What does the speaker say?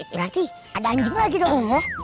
berarti ada anjing lagi dong ya